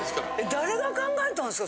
誰が考えたんですか？